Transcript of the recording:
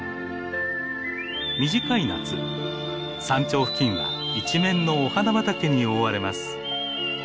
短い夏山頂付近は一面のお花畑に覆われます。